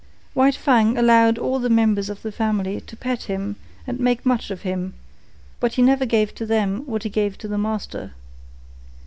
White Fang allowed all the members of the family to pet him and make much of him; but he never gave to them what he gave to the master.